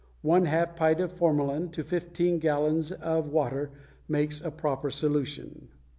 One half pint of formalin to fifteen gallons of water makes a proper solution.